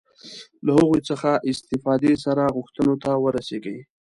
له هغوی څخه استفادې سره غوښتنو ته ورسېږي.